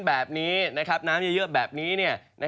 แบบนี้น้ำเยอะแบบนี้